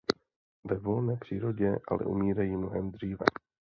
Ve volné přírodě ale umírají mnohem dříve.